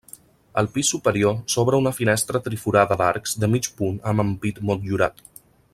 Al pis superior s'obre una finestra triforada d'arcs de mig punt amb ampit motllurat.